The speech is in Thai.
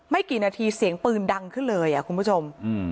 กี่นาทีเสียงปืนดังขึ้นเลยคุณผู้ชม